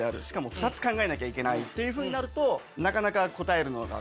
しかも２つ考えなきゃいけないっていうふうになるとなかなか。